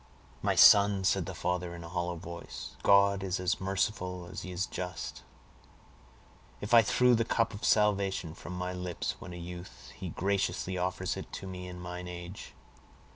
"My son," said the father in a hollow voice, "God is as merciful as He is just; if I threw the cup of salvation from my lips when a youth, He graciously offers it to me in mine age.